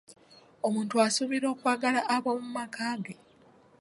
Omuntu asuubirwa okwagala aboomumaka ge.